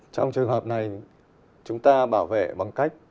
trong trường hợp này chúng ta bảo vệ bằng cách